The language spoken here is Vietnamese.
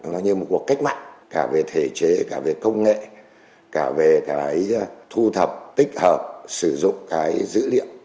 nó như một cuộc cách mạng cả về thể chế cả về công nghệ cả về cái thu thập tích hợp sử dụng cái dữ liệu